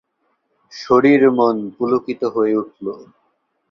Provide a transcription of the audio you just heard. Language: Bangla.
শরীর মন পুলকিত হয়ে উঠল।